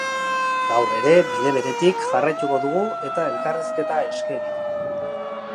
Gaur ere bide beretik jarraituko dugu eta elkarrizketa eskegi dugu.